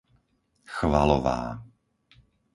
Chvalová